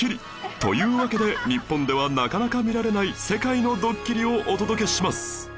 というわけで日本ではなかなか見られない世界のドッキリをお届けします